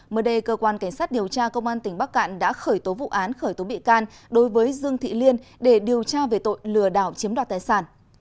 mới đây cơ quan cảnh sát điều tra công an tỉnh bắc cạn đã khởi tố vụ án khởi tố bị can đối với dương thị liên để điều tra về tội lừa đảo chiếm đoạt tài sản